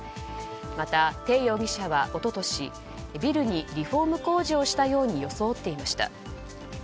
またテイ容疑者は一昨年ビルにリフォーム工事をしたように装っていました。